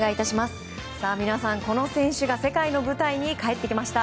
皆さん、この選手が世界に舞台に帰ってきました。